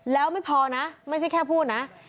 แล้วไม่พอนะไม่ใช่แค่พูดนะ